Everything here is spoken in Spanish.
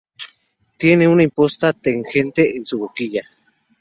Tiene una imposta tangente a su boquilla.